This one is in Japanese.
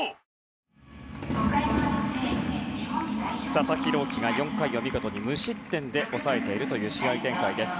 佐々木朗希が４回を見事に無失点で抑えている試合展開です。